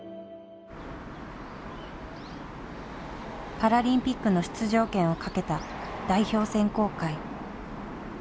パラリンピックの出場権をかけた代表選考会。